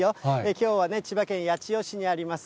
きょうはね、千葉県八千代市にあります